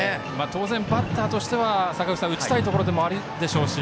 当然、バッターとしては打ちたいところでもあるでしょうし。